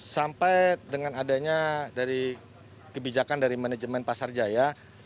sampai dengan adanya dari kebijakan dari manajemen pasar jaya